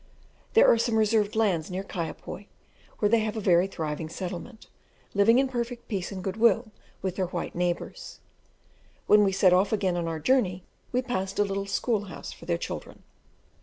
There are some reserved lands near Kaiapoi where they have a very thriving settlement, living in perfect peace and good will with their white neighbours. When we set off again on our journey, we passed a little school house for their children.